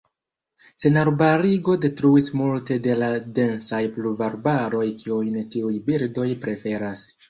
Senarbarigo detruis multe de la densaj pluvarbaroj kiujn tiuj birdoj preferas.